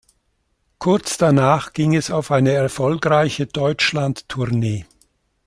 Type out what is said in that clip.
Kurz danach ging es auf eine erfolgreiche Deutschland-Tournee.